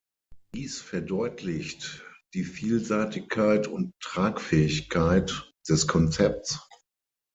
Dies verdeutlicht die Vielseitigkeit und Tragfähigkeit des Konzepts.